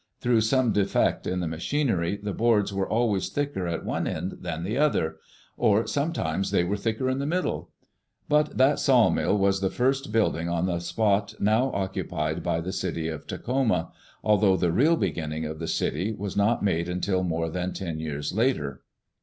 Through some defect in the ma chinery, the boards were always thicker at one end than the other; or sometimes they were thicker in the middle. But that sawmill was the first building on the spot now occupied by the city of Tacoma, although the real begin ning of the city was not made until more than ten years later.